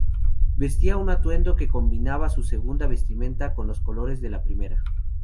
Vestía un atuendo que combinaba su segunda vestimenta con los colores de la primera.